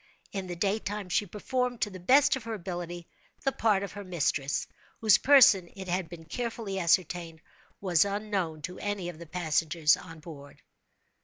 In the daytime she performed, to the best of her ability, the part of her mistress—whose person, it had been carefully ascertained, was unknown to any of the passengers on board.